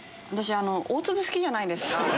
私大粒好きじゃないですか。